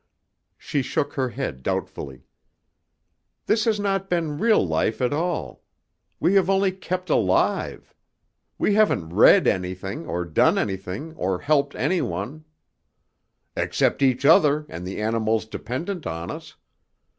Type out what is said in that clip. She shook her head doubtfully. "This has not been real life at all. We have only kept alive. We haven't read anything or done anything or helped any one " "Except each other and the animals dependent on us.